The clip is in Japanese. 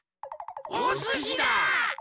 おすしだ！